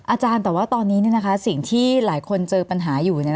อาจารย์แต่ว่าตอนนี้สิ่งที่หลายคนเจอปัญหาอยู่